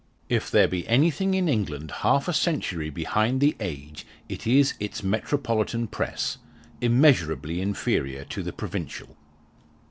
If there be anything in England half a century behind the age it is its Metropolitan Press immeasurably inferior to the Provincial.